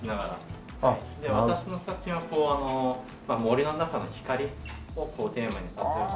で私の作品はあの森の中の光をテーマに撮影しておりまして。